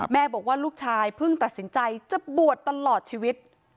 บอกว่าลูกชายเพิ่งตัดสินใจจะบวชตลอดชีวิต